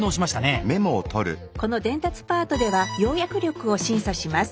この伝達パートでは要約力を審査します。